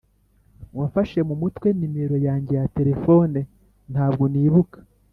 wafashe mu mutwe numero yanjye ya terefone. ntabwo nibuka.